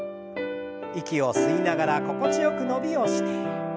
息を吸いながら心地よく伸びをして。